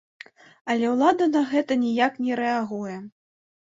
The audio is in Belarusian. Але ўлада на гэта ніяк не рэагуе.